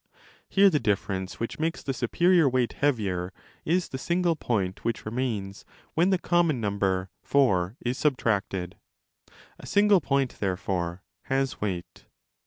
Here the difference which makes the superior weight heavier ? is the single point which remains when the common number, four, is subtracted. <A single point, therefore, has weight.